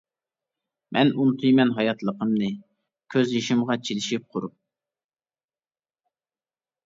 مەن ئۇنتۇيمەن ھاياتلىقىمنى، كۆز يېشىمغا چىلىشىپ، قۇرۇپ.